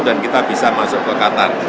dan kita bisa masuk ke katar